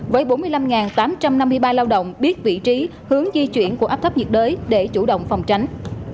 với bốn mươi năm tám trăm năm mươi ba lao động biết vị trí hướng di chuyển của áp thấp nhiệt đới để chủ động phòng tránh